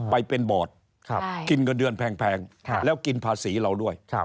ไปเป็นบอร์ดกินเงินเดือนแพงแล้วกินภาษีเราด้วย